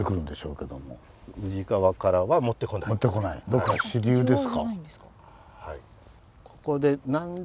どっか支流ですか？